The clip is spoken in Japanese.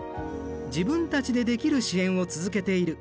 自分たちでできる支援を続けている。